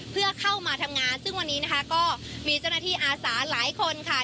เพื่อเข้ามาทำงานซึ่งวันนี้นะคะก็มีเจ้าหน้าที่อาสาหลายคนค่ะ